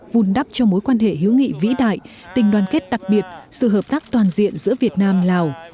vun đắp cho mối quan hệ hữu nghị vĩ đại tình đoàn kết đặc biệt sự hợp tác toàn diện giữa việt nam lào